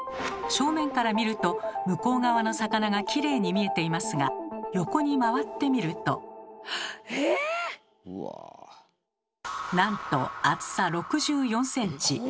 正面から見ると向こう側の魚がきれいに見えていますが横に回ってみるとなんと厚さ６４ｃｍ。